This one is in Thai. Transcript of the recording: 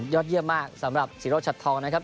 ยอดเยี่ยมมากสำหรับศิโรชัดทองนะครับ